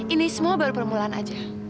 ini semua baru permulaan aja